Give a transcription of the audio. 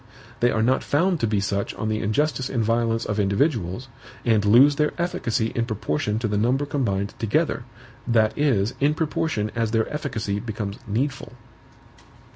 They are not found to be such on the injustice and violence of individuals, and lose their efficacy in proportion to the number combined together, that is, in proportion as their efficacy becomes needful.